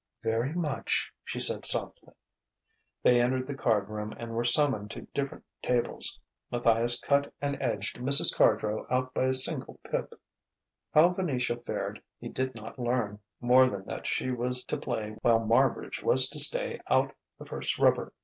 "Very much," she said softly. They entered the card room and were summoned to different tables. Matthias cut and edged Mrs. Cardrow out by a single pip. How Venetia fared he did not learn, more than that she was to play while Marbridge was to stay out the first rubber.